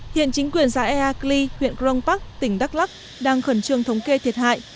hiện chính quyền xã ea kli huyện rongpak tỉnh đắk lắc đang khẩn trương thống kê thiệt hại